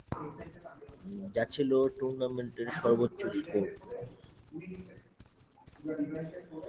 যা ছিল টুর্নামেন্টের সর্বোচ্চ স্কোর।